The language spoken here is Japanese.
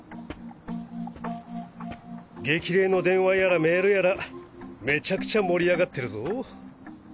激励の電話やらメールやらメチャクチャ盛り上がってるぞ。